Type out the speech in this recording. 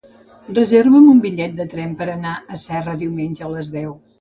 Reserva'm un bitllet de tren per anar a Serra diumenge a les deu.